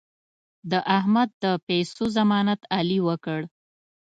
د احمد د پیسو ضمانت علي وکړ.